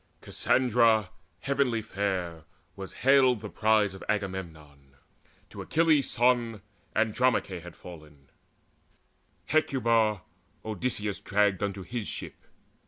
Cassandra heavenly fair was haled the prize Of Agamemnon: to Achilles' son Andromache had fallen: Hecuba Odysseus dragged unto his ship.